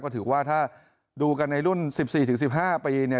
ก็ถือว่าถ้าดูกันในรุ่น๑๔๑๕ปีเนี่ย